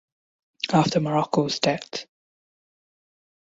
After Marocco's death.